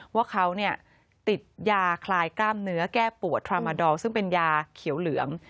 ว่าเขาติดยาคลายกล้ามเนื้อแก้ปวดทรามาดอลซึ่งเป็นยาเขียวเหลือง